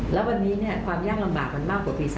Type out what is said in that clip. แล้ววันนี้ความยากลำบากมันมากกว่าปี๓